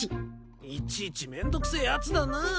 いちいちめんどくせえやつだな。